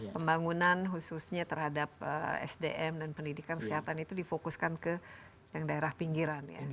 pembangunan khususnya terhadap sdm dan pendidikan kesehatan itu difokuskan ke yang daerah pinggiran ya